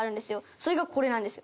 それがこれなんですよ。